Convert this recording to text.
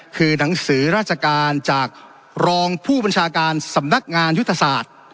คือหนังสือราชการจากรองผู้บัญชาการสำนักงานยุทธศาสตร์